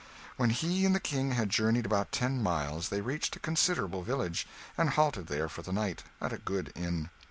When he and the King had journeyed about ten miles, they reached a considerable village, and halted there for the night, at a good inn.